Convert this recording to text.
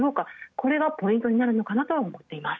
これがポイントになるのかなと思います。